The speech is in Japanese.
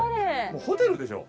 もうホテルでしょ？